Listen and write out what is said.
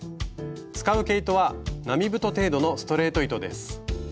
使う毛糸は並太程度のストレート糸です。